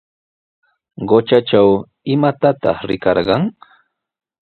Qutratraw, ¿imatataq rikarqan?